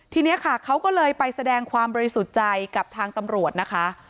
ทีนี้ค่ะเขาก็เลยไปแสดงความบริสุทธิ์ใจกับทางตำรวจนะคะ